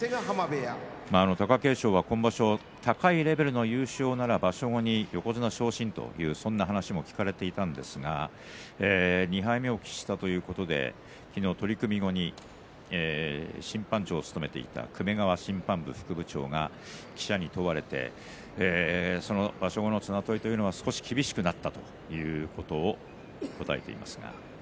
貴景勝は今場所高いレベルで優勝ならば場所後に横綱昇進というそんな話も聞かれていたんですが２敗目を喫したということで昨日、取組後に審判長を務めていた粂川審判部副部長が記者に問われて場所後の綱取りというのは少し厳しくなったということを答えていました。